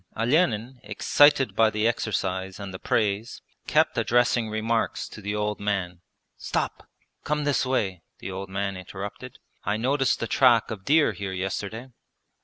Olenin, excited by the exercise and the praise, kept addressing remarks to the old man. 'Stop! Come this way,' the old man interrupted. 'I noticed the track of deer here yesterday.'